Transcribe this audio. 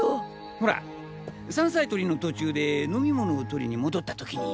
ホラ山菜採りの途中で飲み物を取りに戻った時に！